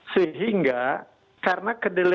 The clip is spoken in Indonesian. sehingga karena kedelai